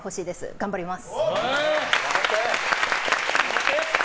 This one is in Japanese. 頑張ります！